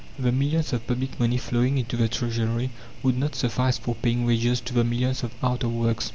The millions of public money flowing into the Treasury would not suffice for paying wages to the millions of out of works.